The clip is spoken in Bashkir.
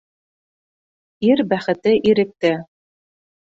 Ир бәхете иректә.